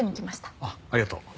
ああありがとう。